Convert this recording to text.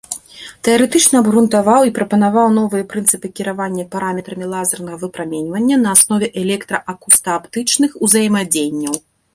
Тэарэтычна абгрунтаваў і прапанаваў новыя прынцыпы кіравання параметрамі лазернага выпраменьвання на аснове электра-акустааптычных узаемадзеянняў.